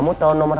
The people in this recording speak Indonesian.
kamu tahu nomornya